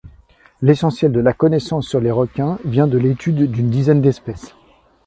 L'essentiel de la connaissance sur les requins vient de l’étude d’une dizaine d’espèces.